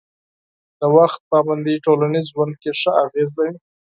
د وخت پابندي ټولنیز ژوند کې ښه اغېز لري.